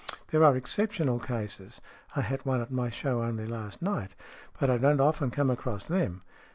There are exceptional cases I had one at my show only last night but I don't often come across them.